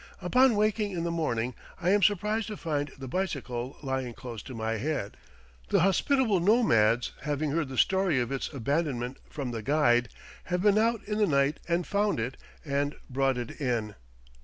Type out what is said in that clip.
Upon waking in the morning I am surprised to find the bicycle lying close to my head. The hospitable nomads, having heard the story of its abandonment from the guide, have been out in the night and found it and brought it in.